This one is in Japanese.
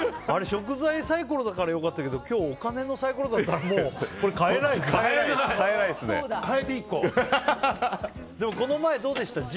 食材サイコロだったから良かったけど今日、お金のサイコロだったらもうこれ買えないですね。